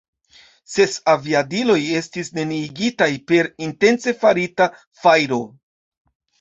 Ses aviadiloj estis neniigitaj per intence farita fajro.